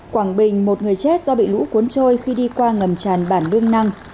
quảng bình một người chết do bị lũ cuốn trôi khi đi qua ngầm tràn bản đương năng